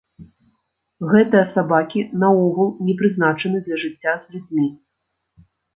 Гэтыя сабакі наогул не прызначаны для жыцця з людзьмі.